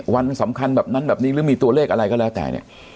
วันสำคัญแบบนั้นแบบนี้หรือมีตัวเลขอะไรก็แล้วแต่เนี่ย